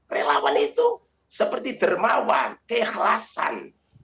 relawan itu seperti dermawan keikhlasan